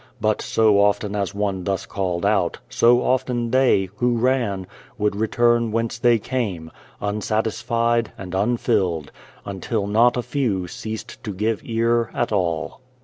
But so often as one thus called out, so often they, who ran, would return whence they came, unsatisfied and unfilled, until not a few ceased to give ear at all.